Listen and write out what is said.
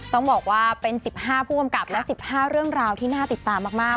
ต้องบอกว่าเป็น๑๕ผู้กำกับและ๑๕เรื่องราวที่น่าติดตามมาก